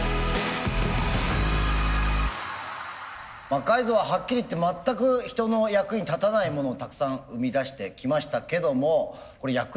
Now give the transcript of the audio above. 魔改造ははっきり言って全く人の役に立たないものをたくさん生み出してきましたけどもこれ役に立つんでしょうか？